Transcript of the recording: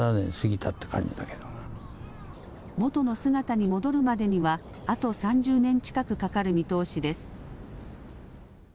元の姿に戻るまでにはあと３０年近くかかる見通しです。